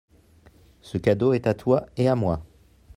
Ce cadeau est à toi et à moi.